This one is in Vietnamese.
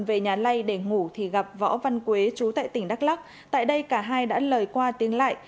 về nhà lây để ngủ thì gặp võ văn quế chú tại tỉnh đắk lắc tại đây cả hai đã lời qua tiếng lại